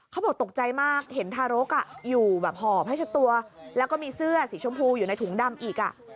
เขาบอกตกใจมากเห็นทารกอยู่แบบหอบให้เช็ดตัวแล้วก็มีเสื้อสีชมพูอยู่ในถุงดำอีก